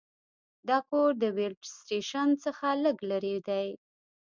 دا کور د ویلډ سټیشن څخه لږ لرې دی